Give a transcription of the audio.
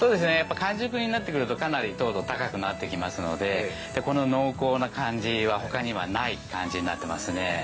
完熟になってくるとかなり糖度高くなってきますのでこの濃厚な感じは他にはない感じになってますね。